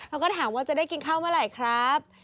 เขาก็ถามว่าจะได้กินข้าวเมื่อไหร่ครับ